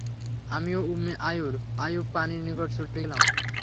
আমি ও উম্মে আইয়ূব পানির নিকট ছুটে গেলাম।